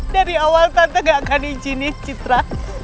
dari awal tante gak akan izini citra